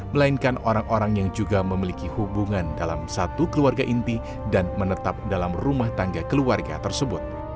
melainkan orang orang yang juga memiliki hubungan dalam satu keluarga inti dan menetap dalam rumah tangga keluarga tersebut